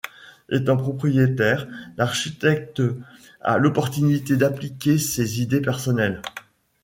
Étant propriétaire, l’architecte a l’opportunité d'appliquer ses idées personnelles.